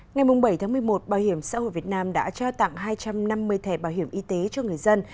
ngày bảy một mươi một bảo hiểm xã hội việt nam đã trao tặng hai trăm năm mươi thẻ bảo hiểm y tế cho người dân